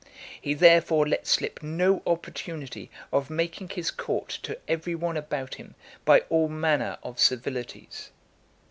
He, therefore, let slip no opportunity of making his court to every one about him by all manner of civilities.